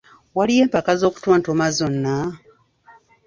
Waliyo empaka z'okutontoma zonna?